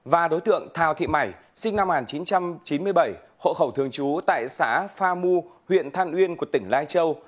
và đối tượng thào thị mảy sinh năm một nghìn chín trăm chín mươi bảy hộ khẩu thường chú tại xã pha mu huyện than uyên tỉnh lai châu